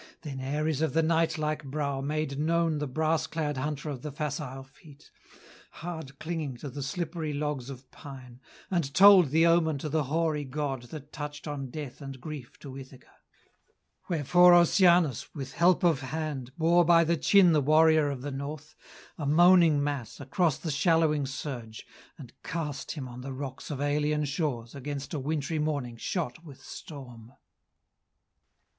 Then Ares of the night like brow made known The brass clad hunter of the facile feet, Hard clinging to the slippery logs of pine, And told the omen to the hoary god That touched on death and grief to Ithaca; Wherefore Oceanus, with help of hand, Bore by the chin the warrior of the North, A moaning mass, across the shallowing surge, And cast him on the rocks of alien shores Against a wintry morning shot with storm.